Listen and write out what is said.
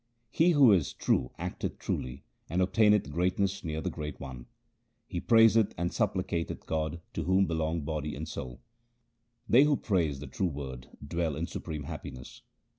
He who is true acteth truly, and obtaineth greatness near the Great One : He praiseth and supplicateth God to whom belong body and soul. They who praise the true Word, dwell in supreme happiness.